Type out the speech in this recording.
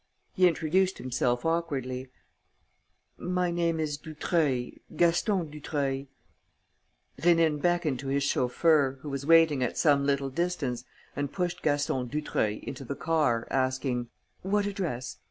He introduced himself awkwardly: "My name is Dutreuil, Gaston Dutreuil." Rénine beckoned to his chauffeur, who was waiting at some little distance, and pushed Gaston Dutreuil into the car, asking: "What address?